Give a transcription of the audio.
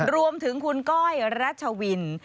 รวมถึงคุณก้อยรัชวิน